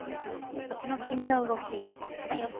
この金の動き予想